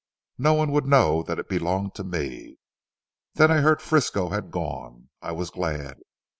No one would know that it belonged to me. Then I heard Frisco had gone. I was glad.